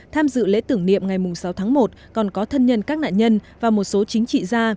tham dự lễ tưởng niệm ngày sáu tháng một còn có thân nhân các nạn nhân và một số chính trị gia